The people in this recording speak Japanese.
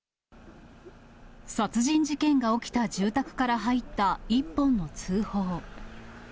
殺人事件が起きた住宅から入った１本の通報。